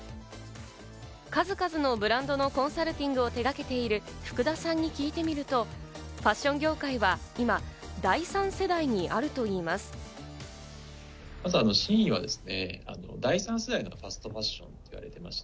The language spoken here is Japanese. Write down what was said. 数々のブランドのコンサルティングを手がけている福田さんに聞いてみるとファッション業界は今、第３世代にあるといいます。